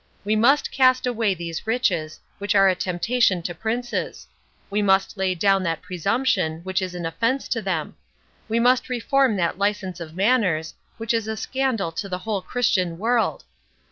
—We must cast away these riches, which are a temptation to princes—we must lay down that presumption, which is an offence to them—we must reform that license of manners, which is a scandal to the whole Christian world!